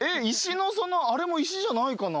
あれも石じゃないかな？